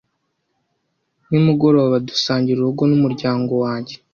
Nimugoroba, dusangira urugo n'umuryango wanjye.